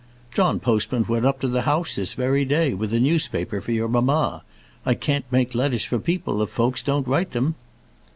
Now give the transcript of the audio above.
"John Postman went up to the house this very day, with a newspaper for your mamma. I can't make letters for people if folks don't write them.".